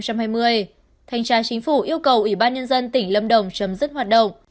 thanh tra chính phủ yêu cầu ủy ban nhân dân tỉnh lâm đồng chấm dứt hoạt động